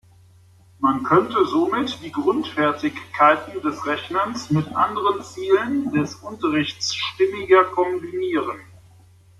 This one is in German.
Man könne somit die Grundfertigkeiten des Rechnens mit anderen Zielen des Unterrichts stimmiger kombinieren.